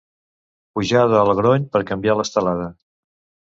Pujada al Grony per canviar l'estelada.